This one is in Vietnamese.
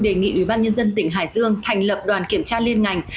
đề nghị ủy ban nhân dân tỉnh hải dương thành lập đoàn kiểm tra liên ngành